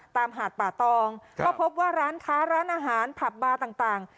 หาดป่าตองก็พบว่าร้านค้าร้านอาหารผับบาร์ต่าง